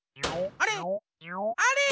あれ？